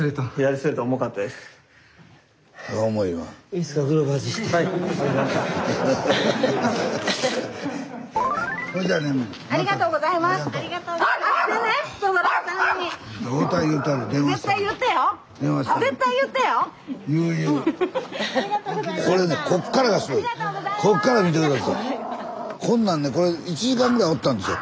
スタジオこんなんねこれ１時間ぐらいおったんですよ。